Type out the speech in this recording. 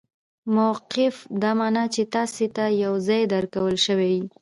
موقف دا مانا، چي تاسي ته یو ځای درکول سوی يي.